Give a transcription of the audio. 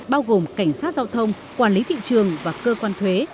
bao gồm cảnh sát giao thông quản lý thị trường và cơ quan thuế